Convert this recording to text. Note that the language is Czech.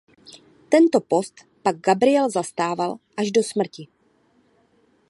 Tento post pak Gabriel zastával až do smrti.